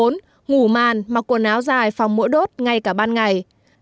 ngủ màn mặc quần áo dài phòng mũi đốt ngay cả ban ngày